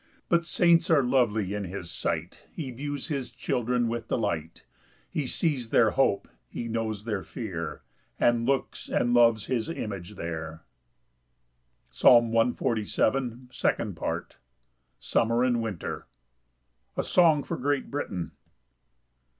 8 But saints are lovely in his sight; He views his children with delight: He sees their hope, he knows their fear, And looks and loves his image there. Psalm 147:2. Second Part. Summer and winter. A song for Great Britain.